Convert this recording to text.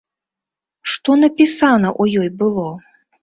Што напісана ў ёй было?